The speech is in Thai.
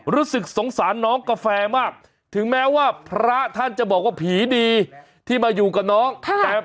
รู้สึกสงสารน้องกาแฟมากถึงแม้ว่าพระท่านจะบอกว่าผีดีที่มาอยู่กับน้อง